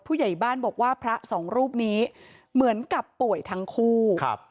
ผู้ใหญ่บ้านบอกว่าพระสองรูปนี้เหมือนกับป่วยทั้งคู่ครับ